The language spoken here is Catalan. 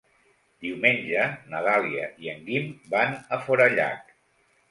Diumenge na Dàlia i en Guim van a Forallac.